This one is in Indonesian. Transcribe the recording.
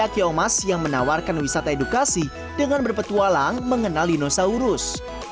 kiomas yang menawarkan wisata edukasi dengan berpetualang mengenal dinosaurus